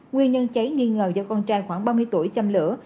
nguyên nhân cháy nghi ngờ do con trai khoảng ba mươi tuổi chăm lửa